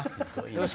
よし！